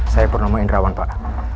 saya purnomo indrawan pak